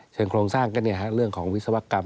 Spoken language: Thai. เชิงโครงสร้างก็เนี่ยฮะเรื่องของวิศวกรรม